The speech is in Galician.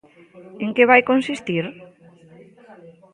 ¿En que vai consistir?